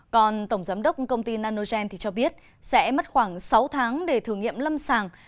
còn tổng giám đốc công ty nanogen cho biết sẽ mất khoảng sáu tháng để thử nghiệm lâm sàng